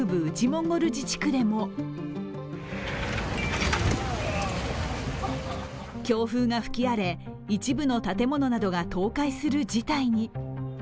モンゴル自治区でも強風が吹き荒れ、一部の建物などが倒壊する事態に。